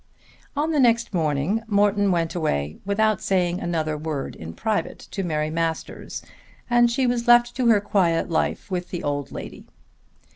On the next morning Morton went away without saying another word in private to Mary Masters and she was left to her quiet life with the old lady.